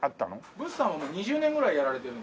ブスさんはもう２０年ぐらいやられてる。